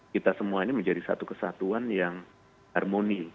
kita semua ini menjadi satu kesatuan yang harmoni